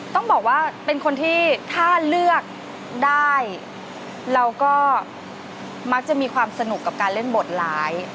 ต้องบอกว่าเป็นคนที่ถ้าเลือกได้เราก็มักจะมีความสนุกกับการเล่นบทร้าย